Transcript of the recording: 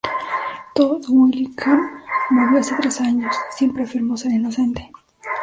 Todd Willingham murió hace tres años, siempre afirmó ser inocente.